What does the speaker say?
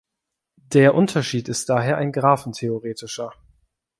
Der Unterschied ist daher ein graphentheoretischer.